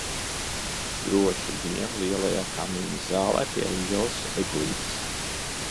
Droši vien lielajā kamīna zālē pie lielas eglītes.